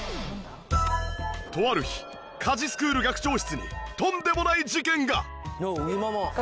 とある日家事スクール学長室にとんでもない事件が！